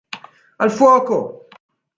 Al fuoco!